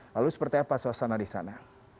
lalu seperti apa suasana di sana